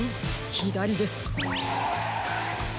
ひだりです。